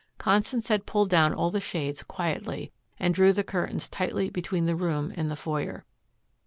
Constance had pulled down all the shades quietly, and drew the curtains tightly between the room and the foyer.